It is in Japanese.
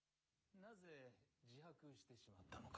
なぜ自白してしまったのか。